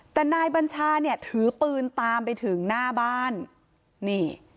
แต่นายบัญชาเนี่ยถือปืนตามไปถึงหน้าบ้านนี่